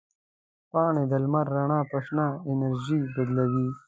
پاڼې د لمر رڼا په شنه انرژي بدلوي.